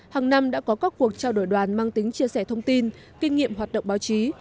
hàng năm đã có các cuộc trao đổi đoàn mang tính chia sẻ thông tin kinh nghiệm hoạt động báo chí